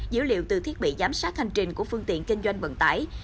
dữ liệu từ thiết bị giám sát hành trình của phương tiện kinh doanh vận tải